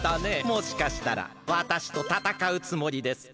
もしかしたらわたしとたたかうつもりですか？